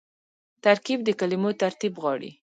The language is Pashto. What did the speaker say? ترکیب د کلمو ترتیب غواړي.